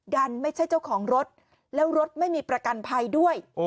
ไม่ใช่เจ้าของรถแล้วรถไม่มีประกันภัยด้วย